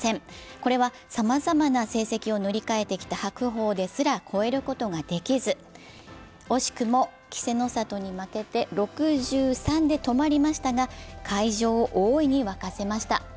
これはさまざまな成績を塗り替えてきた白鵬ですら超えることができず、惜しくも稀勢の里に負けて６３で止まりましたが、会場を大いに沸かせました。